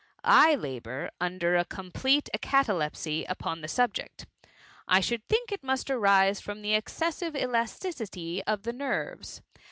I la bour under a complete acatalepsy upon the sub 44 THE MUMMY. ject ; I should think it must arise from the ex cessive elasticity of the nerves.